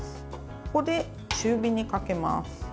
ここで中火にかけます。